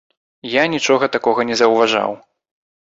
Я нічога такога не заўважаў.